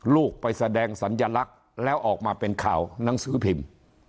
ลูกไปแสดงสัญลักษณ์แล้วออกมาเป็นข่าวหนังสือพิมพ์